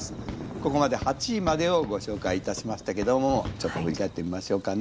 ここまで８位までをご紹介いたしましたけどもちょっと振り返ってみましょうかね。